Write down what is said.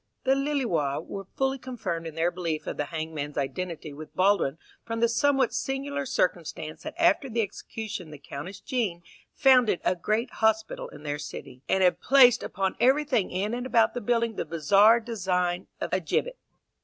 The Lilleois were fully confirmed in their belief of the hanged man's identity with Baldwin from the somewhat singular circumstance that after the execution the Countess Jean founded a great hospital in their city, and had placed upon everything in and about the building the bizarre design of a gibbet.